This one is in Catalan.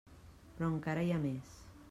Però encara hi ha més.